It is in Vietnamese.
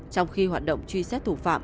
trong khi hoạt động truy xét thủ phạm